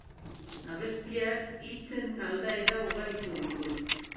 Abestiak hitzen aldaera ugari ditu.